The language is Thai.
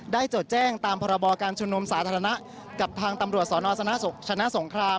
จดแจ้งตามพรบการชุมนุมสาธารณะกับทางตำรวจสนชนะสงคราม